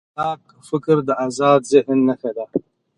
خلاق فکر د ازاد ذهن نښه ده.